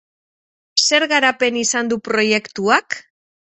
Zer garapen izan du proiektuak?